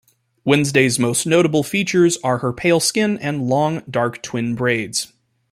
Wednesday's most notable features are her pale skin and long, dark twin braids.